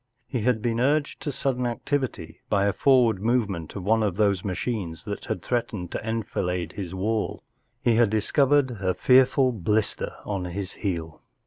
He had l>een urged to sudden activity by a forward movement of one of those machines that had threatened to enfilade his wall. He had discovered a fear¬ ful blister on his heel.